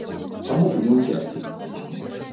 Чаму б не ўзяць іх?